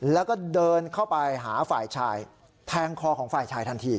แล้วก็เดินเข้าไปหาฝ่ายชายแทงคอของฝ่ายชายทันที